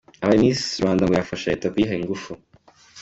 Abaye Miss Rwanda ngo yafasha leta kuyiha ingufu.